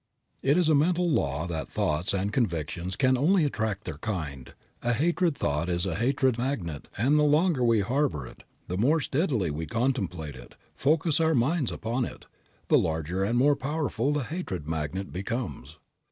It is a mental law that thoughts and convictions can only attract their kind. A hatred thought is a hatred magnet and the longer we harbor it, the more steadily we contemplate it, focus our minds upon it, the larger and more powerful the hatred magnet becomes.